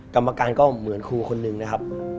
กรรมการก็เหมือนครูคนนึงนะครับ